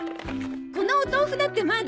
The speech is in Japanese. このお豆腐だってまだ。